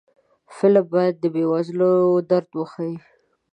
فلم باید د بې وزلو درد وښيي